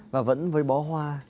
và vẫn với bó hoa